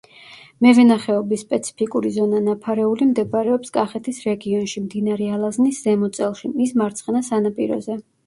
მევენახეობის სპეციფიკური ზონა „ნაფარეული“ მდებარეობს კახეთის რეგიონში, მდინარე ალაზნის ზემო წელში, მის მარცხენა სანაპიროზე.